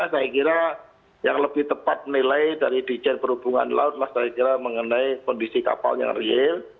saya kira yang lebih tepat menilai dari dijen perhubungan laut mas saya kira mengenai kondisi kapal yang real